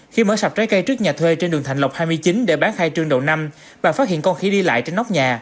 khi mở sạp trái cây trước nhà thuê trên đường thạnh lộc hai mươi chín để bán khai trương đầu năm bà phát hiện con khỉ đi lại trên nóc nhà